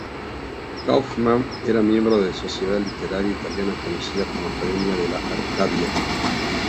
Kauffman era miembro de Sociedad literaria italiana conocida como Academia de la Arcadia.